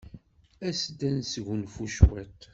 As-d ad nesgunfu cwiṭ.